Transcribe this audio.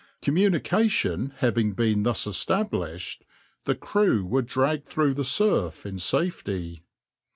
Communication having been thus established, the crew were dragged through the surf in safety.